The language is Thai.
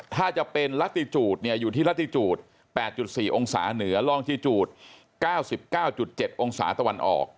ถ้าจะเป็นลาติจูดอยู่ที่ลาติจูด๘๔องศาเหนือล่องจีจูด๙๙๗องศาตะวันออก